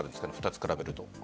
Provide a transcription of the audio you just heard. ２つ比べると。